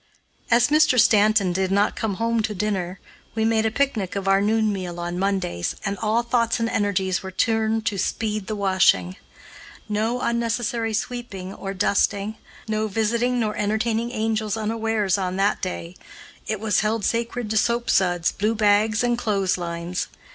As Mr. Stanton did not come home to dinner, we made a picnic of our noon meal on Mondays, and all thoughts and energies were turned to speed the washing. No unnecessary sweeping or dusting, no visiting nor entertaining angels unawares on that day it was held sacred to soap suds, blue bags, and clotheslines.